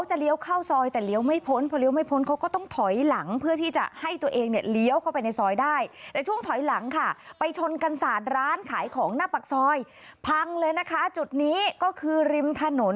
ชะลอหน่อยก็ได้นะครับ